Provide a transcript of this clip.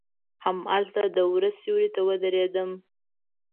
هملته د وره سیوري ته ودریدم.